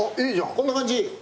こんな感じ？